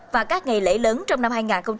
và các ngày lễ lớn trong năm hai nghìn hai mươi